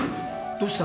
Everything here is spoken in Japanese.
どうした？